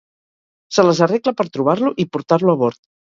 Se les arregla per trobar-lo i portar-lo a bord.